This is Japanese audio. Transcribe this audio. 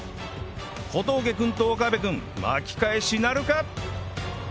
小峠君と岡部君巻き返しなるか？